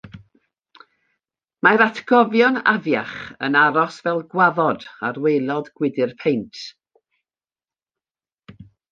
Mae'r atgofion afiach yn aros fel gwaddod ar waelod gwydr peint